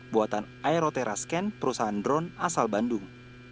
buatan aeroterascan perusahaan drone asal bandung